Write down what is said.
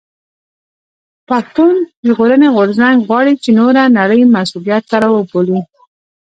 پښتون ژغورني غورځنګ غواړي چې نوره نړۍ مسؤليت ته راوبولي.